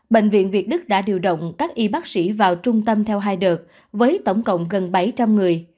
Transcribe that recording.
bệnh viện việt đức đã điều động các y bác sĩ vào trung tâm theo hai đợt với tổng cộng gần bảy trăm linh người